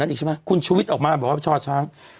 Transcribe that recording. ตอนนี้คุณชีวิตออกมาบอกว่าชรชัง